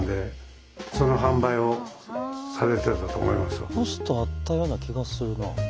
当時のポストあったような気がするな。